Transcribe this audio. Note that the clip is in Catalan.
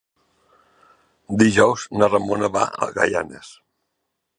Dijous na Ramona va a Gaianes.